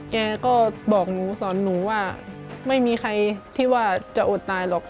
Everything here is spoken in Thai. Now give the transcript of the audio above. แกก็บอกหนูสอนหนูว่าไม่มีใครที่ว่าจะอดตายหรอก